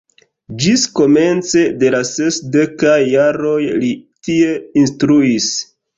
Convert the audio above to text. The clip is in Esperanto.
Ĝis komence de la sesdekaj jaroj li tie instruis.